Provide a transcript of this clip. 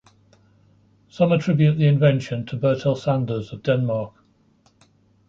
Some attribute the invention to Bertel Sanders, of Denmark.